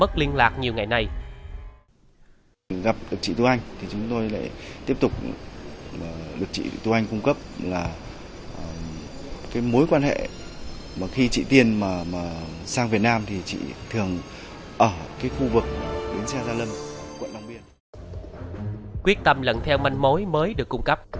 quyết tâm lận theo manh mối mới được cung cấp